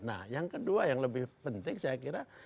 nah yang kedua yang lebih penting saya kira